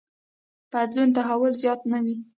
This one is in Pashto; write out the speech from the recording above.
بدلون تحول زیات نه وي.